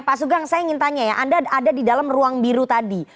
pak sugeng saya ingin tanya ya anda ada di dalam ruang biru tadi